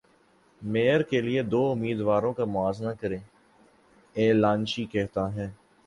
mayor کے لیے دو امیدواروں کا موازنہ کریں اعلانچی کہتا ہے